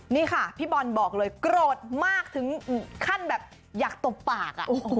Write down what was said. นี่ค่ะพี่บอลบอกเลยโกรธมากถึงขั้นแบบอยากตบปาก